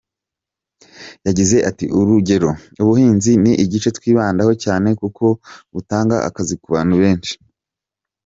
Yagize ati “Urugero, ubuhinzi ni igice twibandaho cyane kuko butanga akazi ku bantu benshi.